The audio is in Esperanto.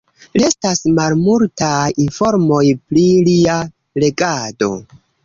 Restas malmultaj informoj pri lia regado.